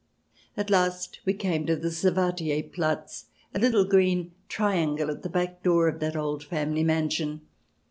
At last we came to the Servatii Platz, a little green triangle at the back door of that old family mansion.